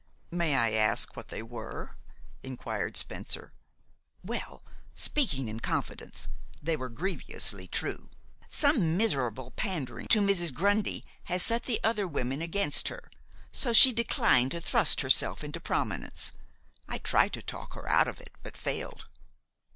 "May I ask what they were?" inquired Spencer. "Well, speaking in confidence, they were grievously true. Some miserable pandering to Mrs. Grundy has set the other women against her; so she declined to thrust herself into prominence. I tried to talk her out of it, but failed."